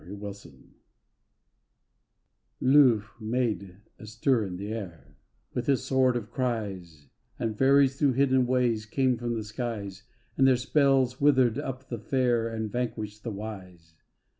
213 FATE LuGH made a stir in the air With his sword of cries, And fairies thro' hidden ways Came from the skies, And their spells withered up the fair And vanquished the wise.